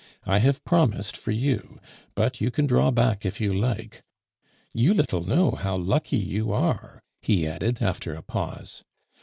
I have promised for you, but you can draw back if you like. You little know how lucky you are," he added after a pause.